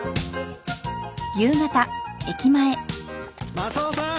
マスオさん！